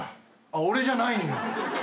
あっ俺じゃないんや。